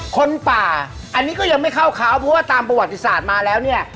คนป่าอันนี้ก็ยังไม่เข้าเขาเพราะว่าตามประวัติศาสตร์มาแล้วเนี่ย